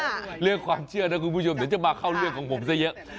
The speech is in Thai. เรื่องความเชื่อนะคุณผู้ชมเดี๋ยวจะมาเข้าเรื่องของผมซะเยอะ